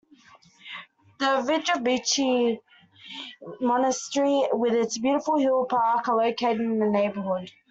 The Vydubychi Monastery with its beautiful hill park are located in the neighborhood.